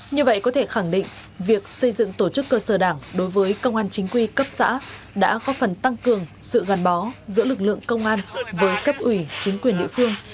như vậy có thể khẳng định việc xây dựng tổ chức cơ sở đảng đối với công an chính quy cấp xã đã có phần tăng cường sự gắn bó giữa lực lượng công an với cấp ủy chính quyền địa phương